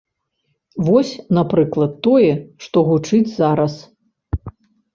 Вось, напрыклад, тое, што гучыць зараз.